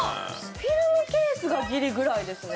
フィルムケースがギリぐらいですね。